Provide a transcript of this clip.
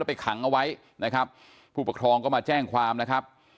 ไปขังเอาไว้นะครับผู้ปกครองก็มาแจ้งความนะครับ